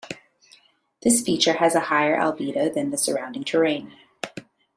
This feature has a higher albedo than the surrounding terrain.